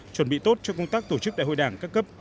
chuẩn bị tốt cho công tác tổ chức đại hội đảng các cấp